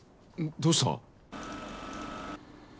どうした？